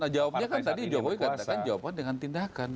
jawabnya kan tadi jokowi katakan jawaban dengan tindakan